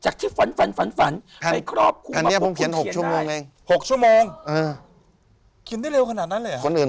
เขียนได้เร็วขนาดนั้นเลยหรอ